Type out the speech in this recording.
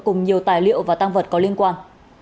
cùng nhiều tài liệu và tăng vật có liên quan